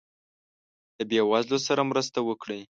له یی وزلو سره مرسته وکړي